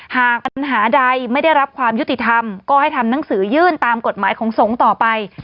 หากปัญหาใดไม่ได้รับความยุติธรรมก็ให้ทำหนังสือยื่นตามกฎหมายของสงฆ์ต่อไป